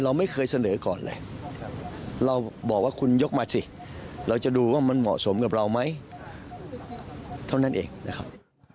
เราไม่เคยเสนอก่อนเลยเราบอกว่าคุณยกมาสิเราจะดูว่ามันเหมาะสมกับเราไหมเท่านั้นเองนะครับ